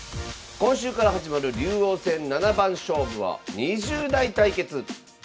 今週から始まる竜王戦七番勝負は２０代対決。